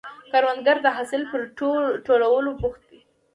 کروندګر د حاصل پر راټولولو بوخت دی